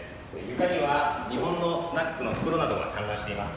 床には日本のスナックの袋などが散乱しています。